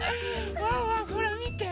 ワンワンほらみて。